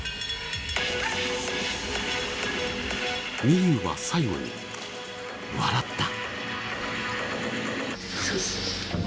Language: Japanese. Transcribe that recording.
みゆうは、最後に笑った。